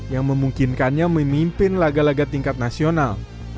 yang memungkinkannya memimpin laga laga tingkat nasional